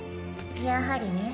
やはりね。